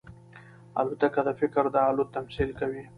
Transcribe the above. الوتکه د فکر د الوت تمثیل کوي.